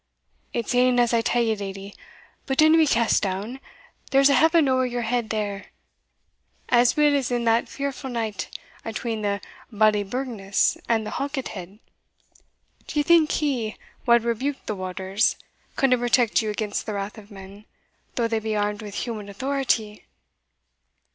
"It's e'en as I tell you, leddy. But dinna be cast down there's a heaven ower your head here, as weel as in that fearful night atween the Ballyburghness and the Halket head. D'ye think He, wha rebuked the waters, canna protect you against the wrath of men, though they be armed with human authority?"